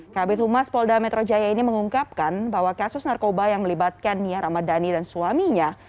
kabit humas polda metro jaya ini mengungkapkan bahwa kasus narkoba yang melibatkan nia ramadhani dan suaminya